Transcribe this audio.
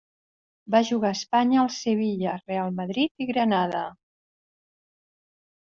Va jugar a Espanya al Sevilla, Real Madrid i Granada.